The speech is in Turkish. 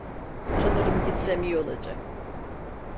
Sanırım gitsem iyi olacak.